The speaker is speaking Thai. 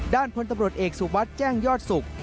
พลตำรวจเอกสุวัสดิ์แจ้งยอดศุกร์